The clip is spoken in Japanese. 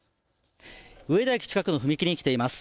上田駅近くの踏切に来ています。